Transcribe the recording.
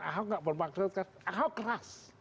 ahok enggak bermaksud ahok keras